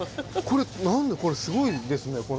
これ何すごいですね